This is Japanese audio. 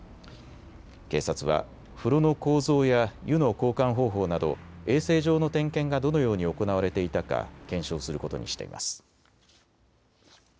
警察は風呂の構造や湯の交換方法など衛生上の点検がどのように行われていたか検証することにしています。